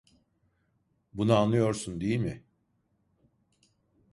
Bunu anlıyorsun, değil mi?